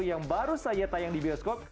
yang baru saja tayang di bioskop